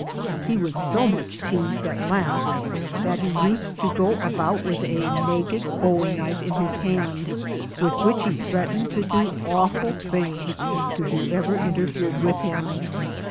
He was so much teased at last that he used to go about with a naked bowie knife in his hand, with which he threatened to do awful things to whoever interfered with him.